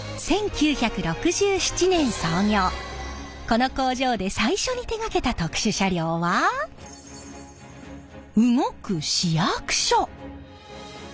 この工場で最初に手がけた特殊車両は動く市役所。